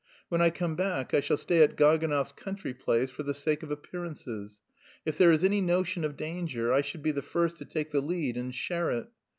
When I come back I shall stay at Gaganov's country place for the sake of appearances. If there is any notion of danger, I should be the first to take the lead and share it.